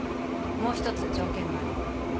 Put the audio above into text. もう一つ条件があるの。